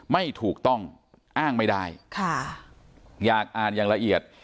ไม่ถูกต้องอ้างไม่ได้ค่ะอยากอ่านอย่างละเอียด